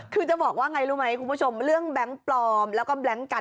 คือจะบอกว่าไงรู้ไหมคุณผู้ชมเรื่องแบงค์ปลอมแล้วก็แบล็งกัน